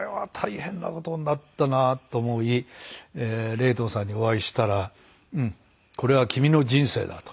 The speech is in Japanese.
レイトンさんにお会いしたら「うんこれは君の人生だ」と。